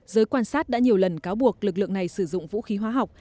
giới quan sát đã nhiều lần cáo buộc lực lượng này sử dụng vũ khí hóa học